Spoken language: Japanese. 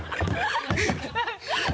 ハハハ